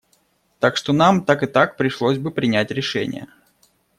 Так что нам так и так пришлось бы принять решение.